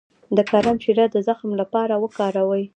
د کرم شیره د زخم لپاره وکاروئ